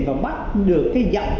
và bắt được cái giọng